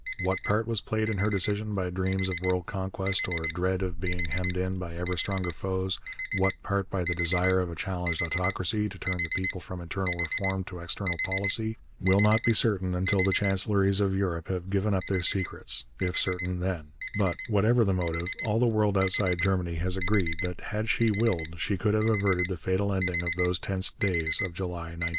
What part was played in her decision by dreams of world conquest or dread of being hemmed in by ever stronger foes, what part by the desire of a challenged autocracy to turn the people from internal reform to external policy, will not be certain until the chancelleries of Europe have given up their secrets, if certain then; but, whatever the motive, all the world outside Germany has agreed that had she willed she could have averted the fatal ending of those tense days of July 1914.